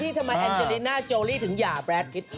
ทำไมแอนเจริน่าโจลี่ถึงหย่าแรดกพิษ